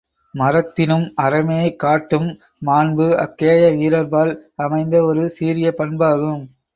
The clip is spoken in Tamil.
மறத்தினும் அறமே காட்டும் மாண்பு அக்கேய வீரர்பால் அமைந்த ஒரு சீரிய பண்பாகும்.